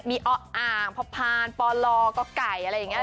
มีออพพานพลกอะไรอย่างเงี้ย